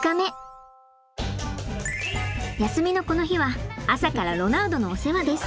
休みのこの日は朝からロナウドのお世話です。